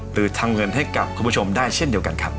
หรือทำเงินให้กับคุณผู้ชมได้เช่นเดียวกันครับ